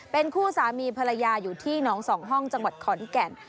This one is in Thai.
เป็นคู่สามีภรรยาอยู่ที่น้องสองห้องจังหวัดขอนแก่น